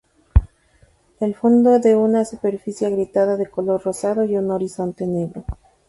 El fondo es de una superficie agrietada de color rosado y un horizonte negro.